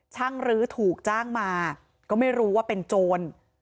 รื้อถูกจ้างมาก็ไม่รู้ว่าเป็นโจร